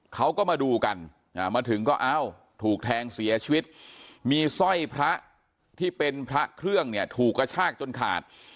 เขาก็มาดูกันมาถึงก็เอ้าถูกแทงเสียชีวิตมีสร้อยพระที่เป็นพระเครื่องเนี่ยถูกกระชากจนขาด